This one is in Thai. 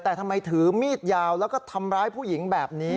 แต่ทำไมถือมีดยาวแล้วก็ทำร้ายผู้หญิงแบบนี้